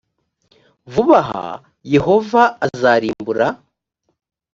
vuba aha yehova azarimbura